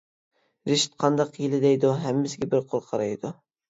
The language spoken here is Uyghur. رىشىت:-قانداق ھىيلە دەيدۇ ھەممىسىگە بىر قۇر قارايدۇ.